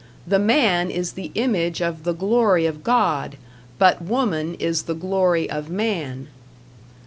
The man is the image of the glory of God, but woman is the glory of man.